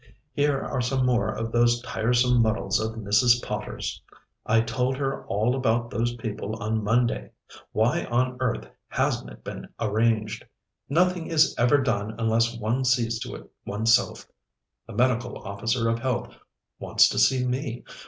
Here are some more of those tiresome muddles of Mrs. Potter's. I told her all about those people on Monday. Why on earth hasn't it been arranged? Nothing is ever done unless one sees to it oneself. The Medical Officer of Health wants to see me.